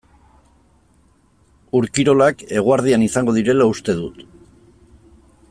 Ur-kirolak eguerdian izango direla uste dut.